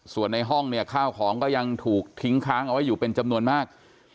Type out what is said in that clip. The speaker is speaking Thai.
ส่วนในห้องเนี่ยข้าวของก็ยังถูกทิ้งค้างเอาไว้อยู่เป็นจำนวนมาก